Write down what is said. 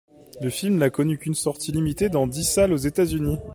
Le film n'a connu qu'une sortie limitée dans dix salles aux États-Unis.